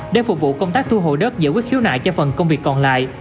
để phục vụ công tác thu hồi đất giải quyết khiếu nại cho phần công việc còn lại